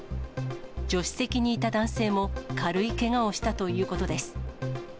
助手席にいた男性も軽いけがをしたということです。